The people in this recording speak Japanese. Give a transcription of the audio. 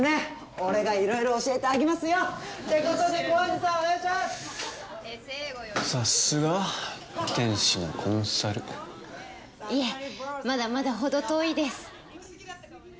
俺がいろいろ教えてあげますよということで高円寺さんお願いしますさっすが天使のコンサルいえまだまだほど遠いです